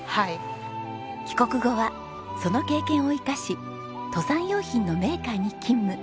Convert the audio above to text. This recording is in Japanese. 帰国後はその経験を生かし登山用品のメーカーに勤務。